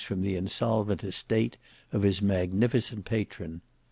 from the insolvent estate of his magnificent patron.